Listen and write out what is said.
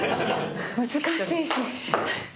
難しいし。